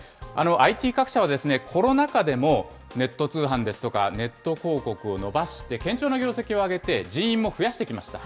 ＩＴ各社はコロナ禍でもネット通販ですとか、ネット広告を伸ばして、堅調な業績を上げて、人員も増やしてきました。